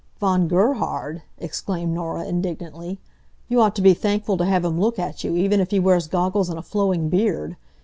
"Von Gerhard!" exclaimed Norah, indignantly. "You ought to be thankful to have him look at you, even if he wears goggles and a flowing beard.